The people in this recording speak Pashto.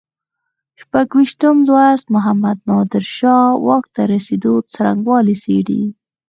شپږویشتم لوست محمد نادر شاه واک ته رسېدو څرنګوالی څېړي.